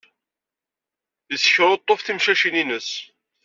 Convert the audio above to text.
Yessekruṭṭef timeccacin-ines.